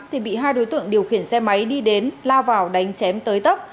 thì bị hai đối tượng điều khiển xe máy đi đến lao vào đánh chém tới tấp